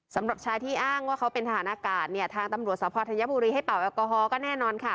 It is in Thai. สำหรับชายที่อ้างว่าเขาเป็นทหารอากาศเนี่ยทางตำรวจสภธัญบุรีให้เป่าแอลกอฮอลก็แน่นอนค่ะ